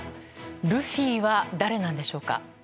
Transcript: ルフィは誰なんでしょうか。